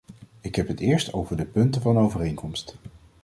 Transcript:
Ik heb het eerst over de punten van overeenkomst.